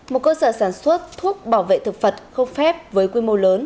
một cơ sở sản xuất thuốc bảo vệ thực vật không phép với quy mô lớn